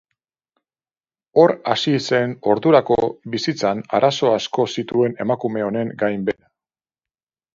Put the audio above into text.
Hor hasi zen ordurako bizitzan arazo asko zituen emakume honen gainbehera.